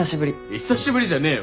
久しぶりじゃねえよ。